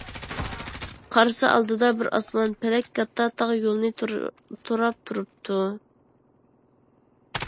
قارىسا، ئالدىدا بىر ئاسمان - پەلەك كاتتا تاغ يولىنى توراپ تۇرۇپتۇ.